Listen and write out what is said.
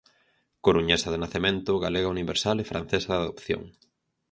Coruñesa de nacemento, galega universal e francesa de adopción.